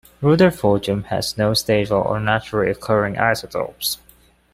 Rutherfordium has no stable or naturally occurring isotopes.